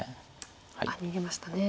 逃げましたね。